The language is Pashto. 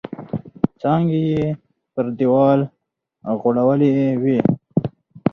څانګې یې پر دیوال غوړولي وې.